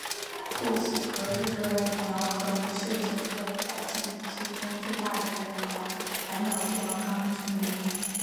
故此格日勒鸟可能是整个白垩纪中最大型的反鸟亚纲成员。